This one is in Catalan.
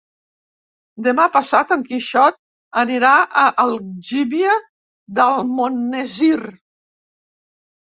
Demà passat en Quixot anirà a Algímia d'Almonesir.